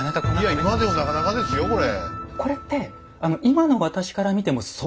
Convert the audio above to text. いや今でもなかなかですよこれ。